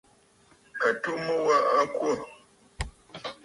Àtu mu wa a kwô.